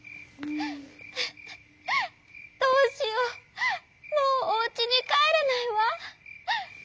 「どうしようもうおうちにかえれないわ」。